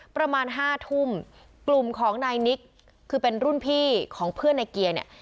ประมาณห้าทุ่มกลุ่มของนายนิกคือเป็นรุ่นพี่ของเพื่อนในเกียร์เนี่ย